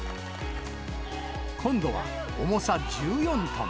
今度は、重さ１４トン。